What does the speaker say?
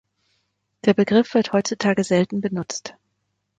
Der Begriff wird heutzutage selten benutzt.